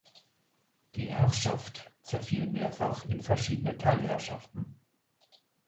Die Herrschaft zerfiel mehrfach in verschiedene Teilherrschaften.